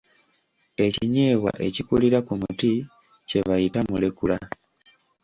Ekinyeebwa ekikulira ku muti kye bayita mulekula.